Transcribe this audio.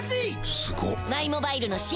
すごっ！